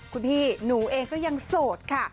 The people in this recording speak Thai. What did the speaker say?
คุณพี่หนูเองก็ยังโสดค่ะ